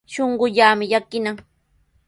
Shuqullaami llakinan.